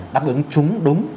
đáp ứng chúng đúng